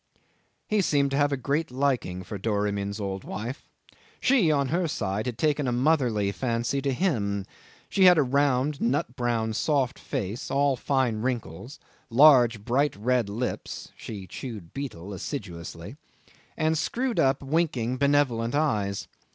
'He seemed to have a great liking for Doramin's old wife. She on her side had taken a motherly fancy to him. She had a round, nut brown, soft face, all fine wrinkles, large, bright red lips (she chewed betel assiduously), and screwed up, winking, benevolent eyes.